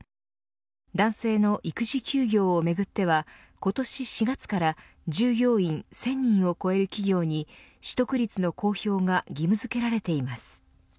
男性の育児休業をめぐっては今年４月から従業員１０００人を超える企業に取得率の公表が義務付けられています。